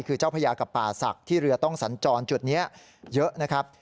คือเจ้าพญากับป่าศักดิ์ที่เรือต้องสัญจรจุดนี้เยอะนะครับ